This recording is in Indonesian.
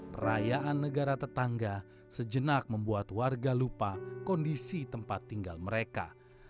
perayaan negara tetangga sejenak membuat warga lupa kondisi tempat tinggal mereka